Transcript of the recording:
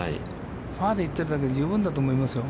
パーで行ってるだけ十分だと思いますよ。